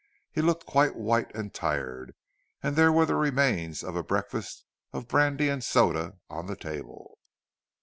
He looked quite white and tired, and there were the remains of a breakfast of brandy and soda on the table.